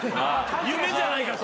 夢じゃないかと。